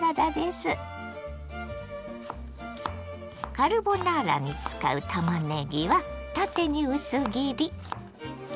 カルボナーラに使うたまねぎは縦に薄切り。